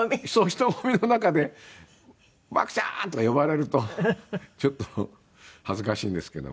人混みの中で「獏ちゃん！」とか呼ばれるとちょっと恥ずかしいんですけども。